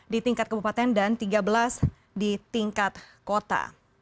di tingkat kebupaten dan tiga belas di tingkat kota